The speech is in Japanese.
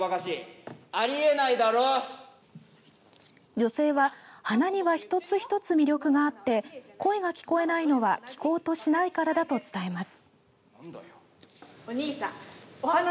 女性は花には一つ一つ魅力があって声が聞こえないのは聞こうとしないからだと伝えます。